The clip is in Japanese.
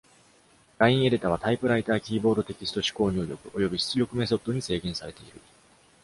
ラインエディタはタイプライターキーボードテキスト指向入力および出力メソッドに制限されている。